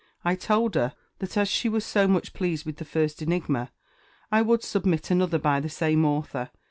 I told her that as she was so much pleased with the first enigma, I would submit another by the same author.